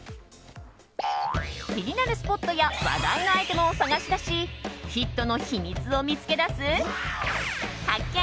気になるスポットや話題のアイテムを探し出しヒットの秘密を見つけ出す発見！